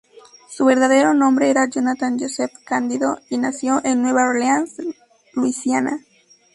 Su verdadero nombre era Jonathan Joseph Candido, y nació en Nueva Orleans, Luisiana.